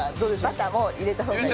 バターもう入れた方がいい。